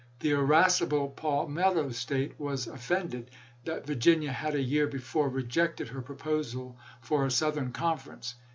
The irascible Palmetto State was offended that Virginia had a year before rejected her proposal for a Southern conference.